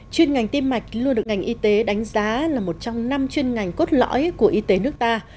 chuyên ngành tim mạch luôn được ngành y tế đánh giá là một trong năm chuyên ngành cốt lõi của y tế nước ta